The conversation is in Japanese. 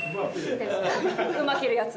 馬蹴るやつ。